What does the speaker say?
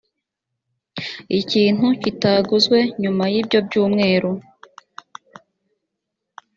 ikintu kitaguzwe nyuma y’ibyo byumweru